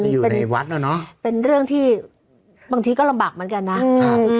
อยู่ในวัดน่ะเนอะเป็นเรื่องที่บางทีก็ลำบากเหมือนกันนะครับ